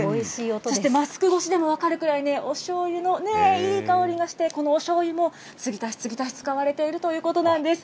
そして、マスク越しでも分かるくらいね、おしょうゆのいい香りがして、このおしょうゆも継ぎ足し継ぎ足し、使われているということなんです。